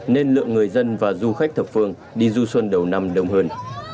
nên lượng người dân và du khách thập phương đi du xuân đầu năm đông hơn